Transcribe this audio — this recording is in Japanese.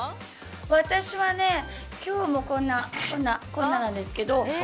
私は今日もこんななんですけど。